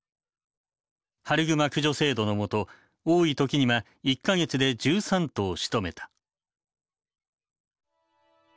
春グマ駆除制度の下多い時には１か月で１３頭しとめた。